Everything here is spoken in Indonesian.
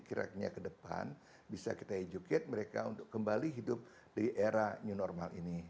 kira kira ke depan bisa kita educate mereka untuk kembali hidup di era new normal ini